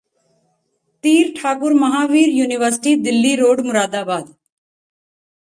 ਤੀਰਠਾਕੁਰ Mahaveer university Delhi road Moradabad